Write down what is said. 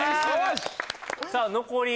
さあ残り